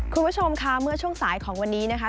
คุณผู้ชมค่ะเมื่อช่วงสายของวันนี้นะคะ